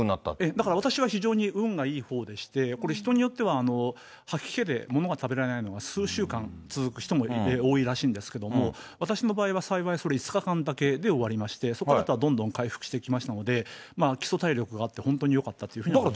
だから、私は非常に運がいいほうでして、これ、人によっては吐き気で物が食べられないのが数週間続く人も多いらしいんですけども、私の場合は幸い、それ５日間だけで終わりまして、そこからどんどん回復していきましたので、基礎体力があって本当によかったというふうに思います。